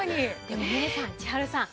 でもみれさん千春さん